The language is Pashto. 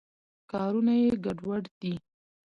کارونه یې ګډوډ دي.